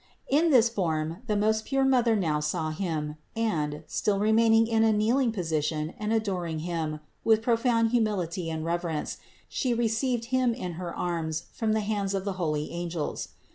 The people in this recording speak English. In this form the most pure Mother now saw THE INCARNATION 405 Him and, still remaining in a kneeling position and ador ing Him with profound humility and reverence, She re ceived Him in her arms from the hands of the holy angels.